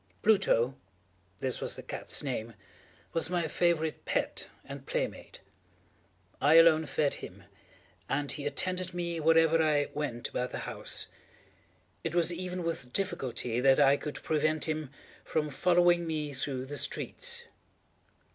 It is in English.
Pluto—this was the cat's name—was my favorite pet and playmate. I alone fed him, and he attended me wherever I went about the house. It was even with difficulty that I could prevent him from following me through the streets.